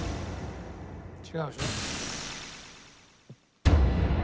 違うでしょ？